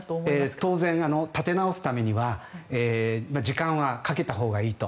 当然、立て直すためには時間はかけたほうがいいと。